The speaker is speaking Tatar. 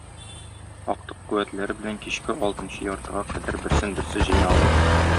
Актык куәтләре белән кичке алтынчы яртыга кадәр берсен-берсе җиңә алмый.